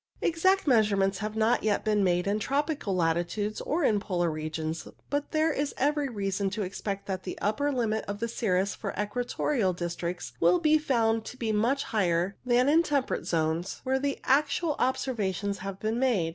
Exact measurements have not yet been made in tropical latitudes or in polar regions, but there is every reason to expect that the upper limit of cirrus for equatorial districts will be found to be much higher than in the temperate zones where actual observations have been made.